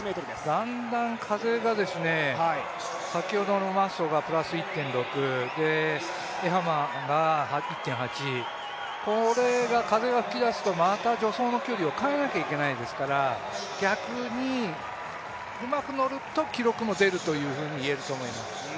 だんだん風が先ほどのマッソがプラス１．６、エハマーが１．８、風が吹き出すとまた助走の距離を変えなきゃいけないですから逆にうまく乗ると記録も出るといえると思います。